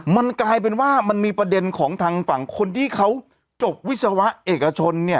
มันกลายเป็นว่ามันมีประเด็นของทางฝั่งคนที่เขาจบวิศวะเอกชนเนี่ย